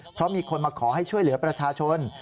เพราะมีคนมาขอให้ช่วยเหลือประชาชน